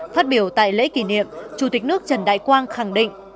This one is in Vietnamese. phát biểu tại lễ kỷ niệm chủ tịch nước trần đại quang khẳng định